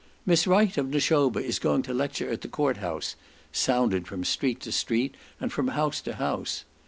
"Miss Wright, of Nashoba, is going to lecture at the court house," sounded from street to street, and from house to house.